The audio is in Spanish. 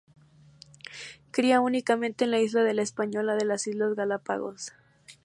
Cría únicamente en la isla de la Española de las islas Galápagos.